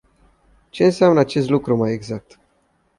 Ce înseamnă acest lucru mai exact?